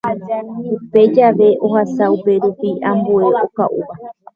Upe jave ohasa upérupi ambue okaʼúva.